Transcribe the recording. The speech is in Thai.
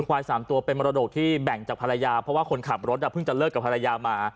ควาย๓ตัวเป็นมรดกที่แบ่งจากภรรยาเพราะว่าคนขับรถเพิ่งจะเลิกกับภรรยามา